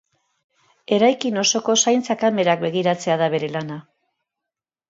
Eraikin osoko zaintza-kamerak begiratzea da bere lana.